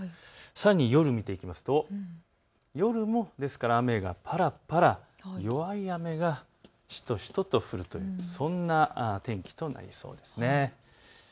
さらに夜を見ていきますと夜も雨がぱらぱら、弱い雨がしとしとと降る、そんな天気となりそうです。